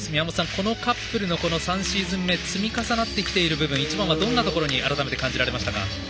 このカップルの３シーズン目積み重なってきている部分一番はどの辺りに改めて感じられましたか？